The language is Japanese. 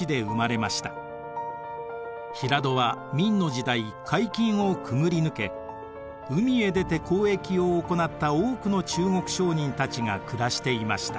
平戸は明の時代海禁をくぐり抜け海へ出て交易を行った多くの中国商人たちが暮らしていました。